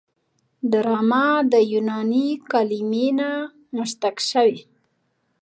ډرامه د یوناني کلمې نه مشتق شوې.